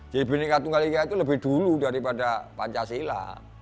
jadi bnk tunggal ika itu lebih dulu daripada pancasila